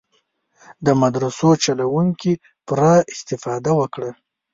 د مدرسو چلوونکي پوره استفاده وکړي.